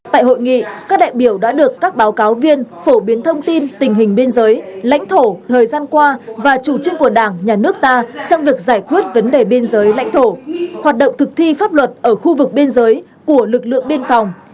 tại hội nghị các đại biểu đã được các báo cáo viên phổ biến thông tin tình hình biên giới lãnh thổ thời gian qua và chủ trương của đảng nhà nước ta trong việc giải quyết vấn đề biên giới lãnh thổ hoạt động thực thi pháp luật ở khu vực biên giới của lực lượng biên phòng